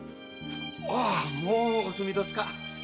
ああもうお済みどすか？